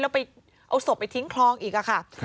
แล้วไปเอาศพไปทิ้งคลองอีกค่ะ